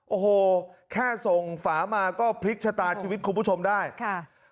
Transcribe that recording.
โอ้โหแค่ส่งฝามาก็พลิกชะตาชีวิตคุณผู้ชมได้ค่ะ